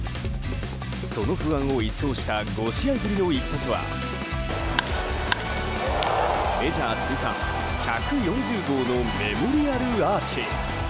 その不安を一掃した５試合ぶりの一発はメジャー通算１４０号のメモリアルアーチ！